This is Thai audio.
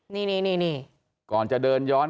นี่ก่อนจะเดินย้อน